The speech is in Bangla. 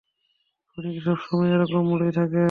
উনি কি সবসময় এরকম মুডেই থাকেন?